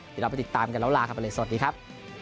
เดี๋ยวเราไปติดตามกันแล้วลากันไปเลยสวัสดีครับ